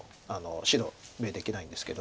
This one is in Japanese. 白眼できないんですけど。